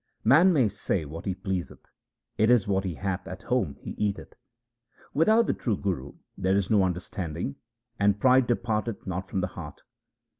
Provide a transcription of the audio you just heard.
Man may say what he pleaseth ; it is what he hath at home he eateth. 4 Without the true Guru there is no understanding, and pride departeth not from the heart.